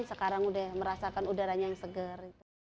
sekarang udah merasakan udaranya yang segar